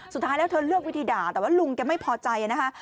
สุดท้ายแล้วเธอเลือกวิธีด่าแต่ว่าลุงแกไม่พอใจนะคะ